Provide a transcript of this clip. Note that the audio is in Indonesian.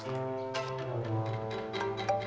pembuatan pembangunan tent warfare